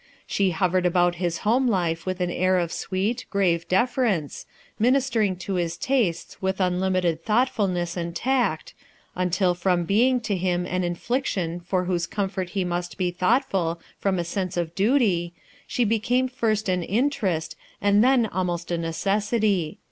She hovered about his home life with an air of sweet, grave deference, ministering to his tastes with unlimited thought fulness and tact, until from being to him an infliction for whose comfort he must be thoughtful from a sense of duty, she became first an interest, and then almost a necessity.